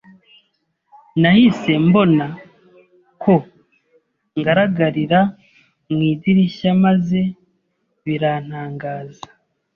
Nahise mbona ko ngaragarira mu idirishya maze birantangaza.